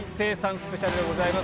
スペシャルでございます。